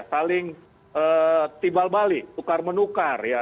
saling tibal balik tukar menukar ya